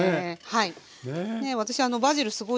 はい。